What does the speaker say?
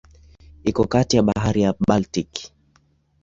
Iko kati ya Bahari ya Baltiki.